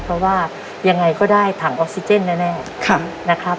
เพราะว่ายังไงก็ได้ถังออกซิเจนแน่นะครับ